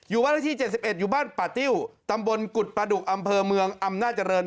บ้านเลขที่๗๑อยู่บ้านป่าติ้วตำบลกุฎปลาดุกอำเภอเมืองอำนาจริง